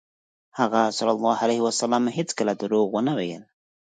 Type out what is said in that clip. هغه ﷺ هېڅکله دروغ ونه ویل.